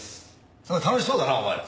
なんか楽しそうだなお前ら。